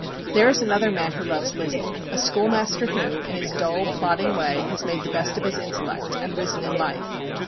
There is another man who loves Lizzie, a schoolmaster, who, in his dull, plodding way, has made the best of his intellect, and risen in life.